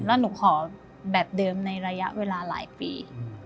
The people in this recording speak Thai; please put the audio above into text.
แล้วหนูขอแบบเดิมในระยะเวลาหลายปี